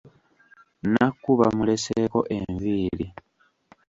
Nakku bamuleseeko enviiri .